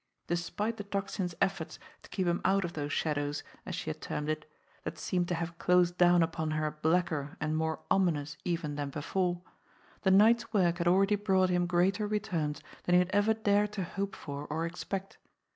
Despite the Tocsin's efforts to keep him out of those shadows, as she had termed it, that seemed to have closed down upon her blacker and more ominous even than before, the night's work had already brought him greater returns than he had ever dared to hope for or expect.